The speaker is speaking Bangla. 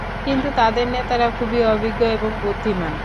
কিন্তু তাদের নেতারা খুবই অভিজ্ঞ এবং বুদ্ধিমান।